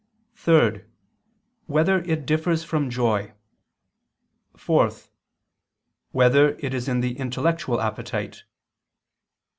(3) Whether it differs from joy? (4) Whether it is in the intellectual appetite?